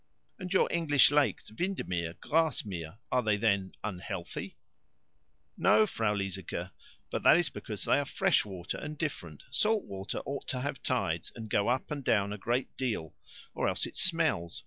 "And your English lakes Vindermere, Grasmere are they, then, unhealthy?" "No, Frau Liesecke; but that is because they are fresh water, and different. Salt water ought to have tides, and go up and down a great deal, or else it smells.